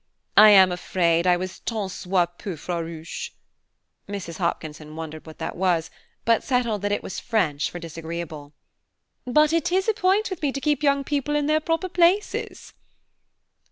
I am afraid I was tant soit peu farouche," (Mrs. Hopkinson wondered what that was, but settled that it was French for disagreeable,) "but it is a point with me to keep young people in their proper places."